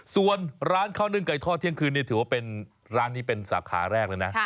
ส่วนร้านข้าวนึ่งไก่ทอดเที่ยงคืนนี่ถือว่าเป็นร้านนี้เป็นสาขาแรกเลยนะ